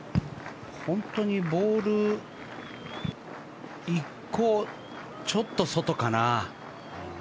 本当にボール１個ちょっと外かな。